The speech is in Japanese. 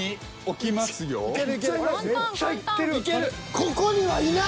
ここにはいない。